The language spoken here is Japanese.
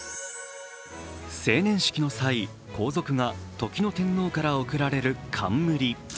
成年式の際後続が時の天皇から送られる冠。